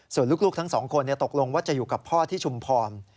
ส่วนลูกทั้งสองคนตกลงว่าจะอยู่กับพ่อที่ชุมพร